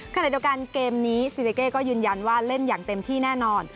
ขณะเดียวกันเกมนี้ซีเดเก้ก็ยืนยันว่าเล่นอย่างเต็มที่แน่นอน